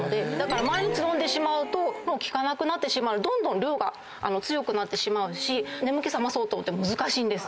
毎日飲んでしまうともう効かなくなってしまうのでどんどん量が強くなってしまうし眠気覚まそうと思っても難しいんです。